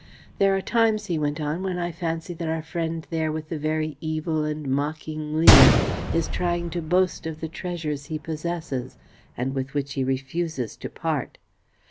There are times," he went on, "when I fancy that our friend there with the very evil and mocking leer is trying to boast of the treasures he possesses, and with which he refuses to part.